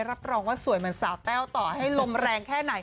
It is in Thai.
รับรองว่าสวยเหมือนสาวแต้วต่อให้ลมแรงแค่ไหน